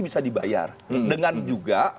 bisa dibayar dengan juga